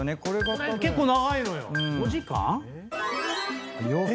これ結構長いのよ。